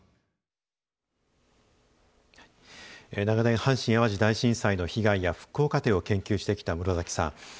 長年阪神・淡路大震災の被害や復興過程を研究してきた室崎さん。